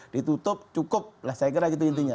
ditutup cukup saya kira itu intinya